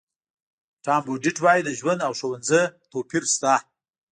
ټام بوډیټ وایي د ژوند او ښوونځي توپیر شته.